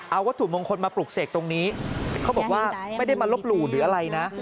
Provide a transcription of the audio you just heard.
เอาวัตถุมงคลมาปลูกเสกตรงนี้เขาบอกว่าไม่ได้มาลบหลู่หรืออะไรนะ